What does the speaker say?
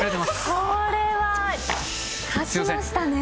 これは勝ちましたね。